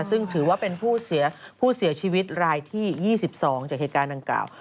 ซึ่งถือว่าเป็นผู้เสียชีวิตรายที่๒๒จากเหตุการณ์ดังกล่าว